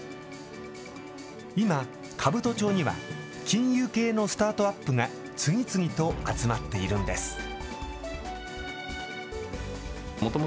今、兜町には、金融系のスタートアップが次々と集まっているんです。